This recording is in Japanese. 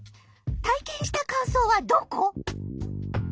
体験した感想はどこ？